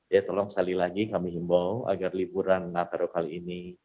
jadi tolong sekali lagi kami himbau agar liburan natarok kali ini